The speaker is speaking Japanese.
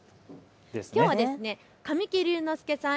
きょうは神木隆之介さん